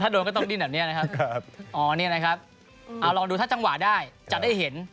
โดนก็ต้องดิ้นแบบนี้นะครับอ๋อนี่นะครับเอาลองดูถ้าจังหวะได้จะได้เห็น